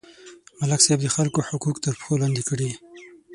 ملک صاحب د خلکو حقوق تر پښو لاندې کړي.